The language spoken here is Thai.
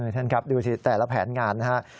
ท่านครับดูสิแต่ละแผนงานนะครับ